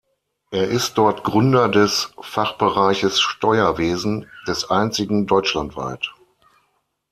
Er ist dort Gründer des Fachbereiches Steuerwesen, des einzigen deutschlandweit.